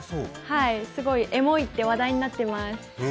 すごいエモいって話題になってます。